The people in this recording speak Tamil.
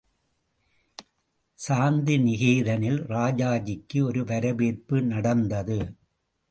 சாந்திநிகேதனில் ராஜாஜிக்கு ஒரு வரவேற்பு நடந்தது.